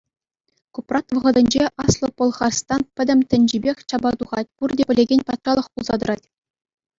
Купрат вӑхӑтӗнче Аслӑ Пӑлхарстан пӗтӗм тӗнчипех чапа тухать, пурте пӗлекен патшалӑх пулса тӑрать.